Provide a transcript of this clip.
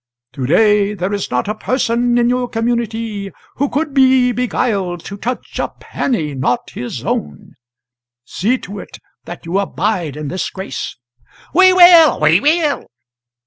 To day there is not a person in your community who could be beguiled to touch a penny not his own see to it that you abide in this grace. ["We will! we will!"